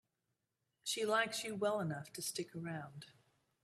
She likes you well enough to stick around.